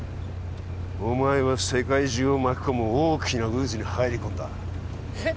お前は世界中を巻き込む大きな渦に入り込んだえっ？